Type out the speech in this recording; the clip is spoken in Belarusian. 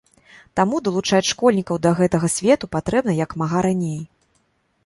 Таму далучаць школьнікаў да гэтага свету патрэбна як мага раней.